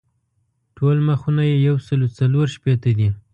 ټول مخونه یې یو سل څلور شپېته دي.